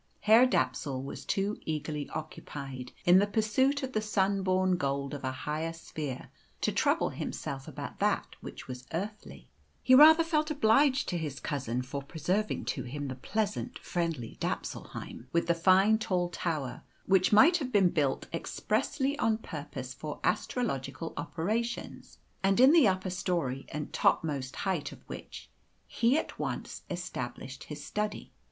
Herr Dapsul was too eagerly occupied in the pursuit of the sun born gold of a higher sphere to trouble himself about that which was earthly. He rather felt obliged to his cousin for preserving to him the pleasant, friendly Dapsulheim, with the fine, tall tower, which might have been built expressly on purpose for astrological operations, and in the upper storey and topmost height of which he at once established his study.